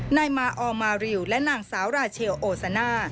นายมาออมาริวและนางสาวราเชลโอซาน่า